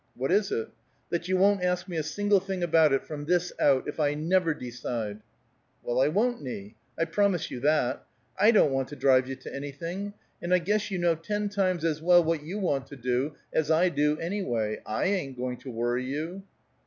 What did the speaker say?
"What is it?" "That you won't ask me a single thing about it, from this out, if I never decide!" "Well, I won't, Nie. I promise you that. I don't want to drive you to anything. And I guess you know ten times as well what you want to do, as I do, anyway. I ain't going to worry you."